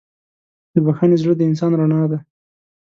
د بښنې زړه د انسان رڼا ده.